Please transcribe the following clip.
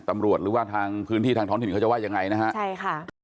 หรือว่าทางพื้นที่ทางท้องถิ่นเขาจะว่ายังไงนะฮะใช่ค่ะ